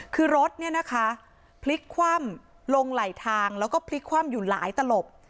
คือรถเนี่ยนะคะพลิกคว่ำลงไหลทางแล้วก็พลิกคว่ำอยู่หลายตลบ